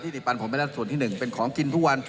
ที่ปันผลไม่ได้ส่วนที่หนึ่งเป็นของกินทุกวัน